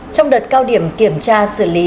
trong đợt cao điểm kiểm tra xử lý